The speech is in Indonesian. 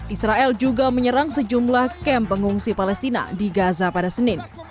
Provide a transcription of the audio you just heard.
israel juga menyerang sejumlah kamp pengungsi palestina di gaza pada senin